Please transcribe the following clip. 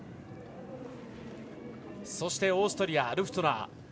そしてオーストリアのルフトゥナー。